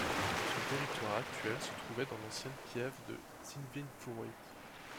Son territoire actuel se trouvait dans l'ancienne pieve de Sevinfuori.